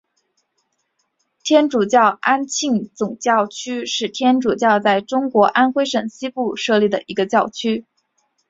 天主教安庆总教区是天主教在中国安徽省西部设立的一个教区。